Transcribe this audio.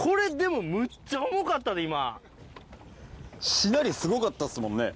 これ、しなり、すごかったっすもん